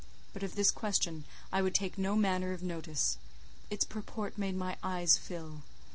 But of this question I would take no manner of notice; its purport made my eyes fill.